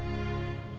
sampai jumpa bu